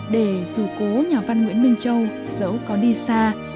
để dù cố nhà văn nguyễn minh châu giấu có đi xa